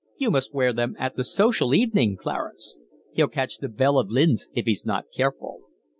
"You must wear them at the social evening, Clarence." "He'll catch the belle of Lynn's, if he's not careful."